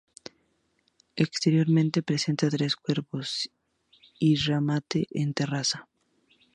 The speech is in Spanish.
Exteriormente presenta tres cuerpos y remate en terraza.